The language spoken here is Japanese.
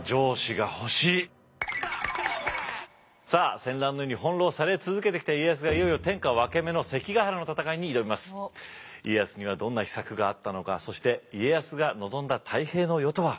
さあ戦乱の世に翻弄され続けてきた家康が家康にはどんな秘策があったのかそして家康が望んだ太平の世とは。